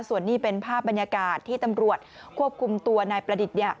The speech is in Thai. ส่วนนี้เป็นภาพบรรยากาศที่ตำรวจควบคุมตัวนายประดิษฐ์